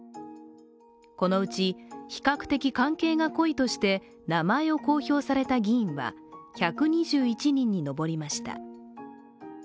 このうち比較的関係が濃いとして名前を公表された議員は１２１人に上りました。